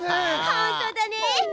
本当だね！